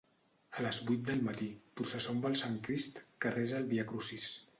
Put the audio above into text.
A les vuit del matí: processó amb el Sant Crist que resa el Viacrucis.